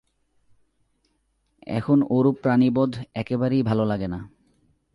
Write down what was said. এখন ও-রূপ প্রাণিবধ একেবারেই ভাল লাগে না।